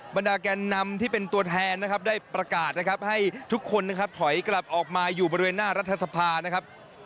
บรรดาแกนนำที่เป็นตัวแทนนะครับได้ประกาศนะครับให้ทุกคนนะครับถอยกลับออกมาอยู่บริเวณหน้ารัฐสภานะครับ